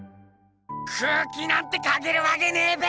空気なんて描けるわけねぇべ！